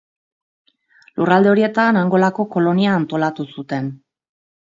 Lurralde horietan Angolako kolonia antolatu zuten.